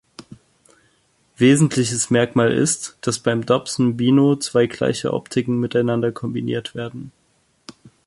Wesentliches Merkmal ist, dass beim Dobson-Bino zwei gleiche Optiken miteinander kombiniert werden.